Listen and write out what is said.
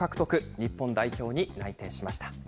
日本代表に内定しました。